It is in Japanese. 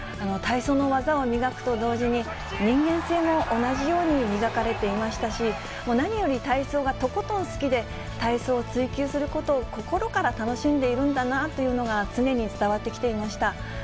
体操の技を磨くと同時に、人間性も同じように磨かれていましたし、何より体操がとことん好きで、体操を追求することを心から楽しんでいるんだなというのが常に伝わってきていました。